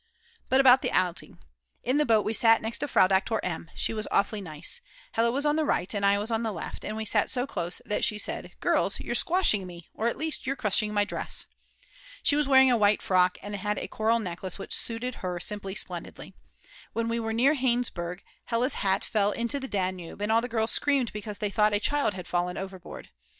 But about the outing. In the boat we sat next Frau Doktor M., she was awfully nice; Hella was on the right and I was on the left, and we sat so close that she said: "Girls, you're squashing me, or at least you're crushing my dress!" She was wearing a white frock and had a coral necklace which suited her simply splendidly. When we were near Hainburg Hella's hat fell into the Danube, and all the girls screamed because they thought a child had fallen overboard.